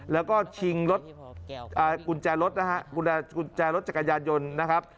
แล้วก็ชิงกุญแจรถจักรยานยนต์นะครับ